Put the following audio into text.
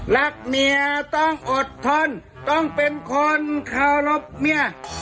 รักเมียต้องอดทนต้องเป็นคนเคารพเมีย